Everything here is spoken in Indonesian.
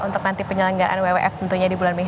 untuk nanti penyelenggaraan wwf tentunya di bulan mei